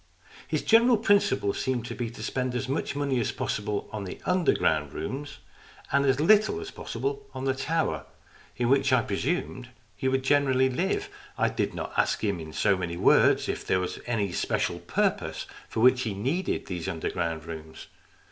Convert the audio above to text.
His general principle seemed to be to spend as much money as possible on the underground rooms, and as little as possible on the tower, in which I pre sumed he would generally live. I did not ask him in so many words if there was any special purpose for which he needed these underground rooms.